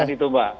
kan itu mbak